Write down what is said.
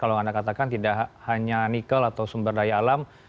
kalau anda katakan tidak hanya nikel atau sumber daya alam